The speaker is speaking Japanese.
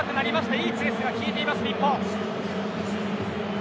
いいスペースを敷いています日本。